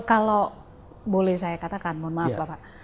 kalau boleh saya katakan mohon maaf bapak